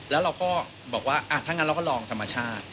แล้วเราก็บอกว่าถ้างั้นเราก็ลองธรรมชาติ